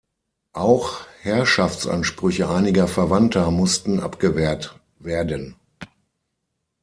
Auch Herrschaftsansprüche einiger Verwandter mussten abgewehrt werden.